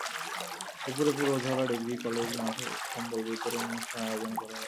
দুপুরে Purbadhala degree college মাঠে কম্বল বিতরণ অনুষ্ঠানের আয়োজন করা হয়।